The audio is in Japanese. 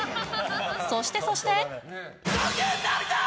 そしてそして。